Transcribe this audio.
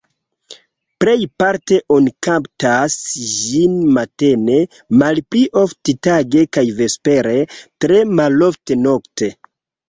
Plejparte oni kaptas ĝin matene, malpli ofte tage kaj vespere, tre malofte nokte.